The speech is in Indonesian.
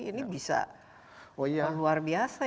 ini bisa luar biasa